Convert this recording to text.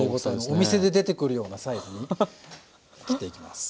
お店で出てくるようなサイズに切っていきます。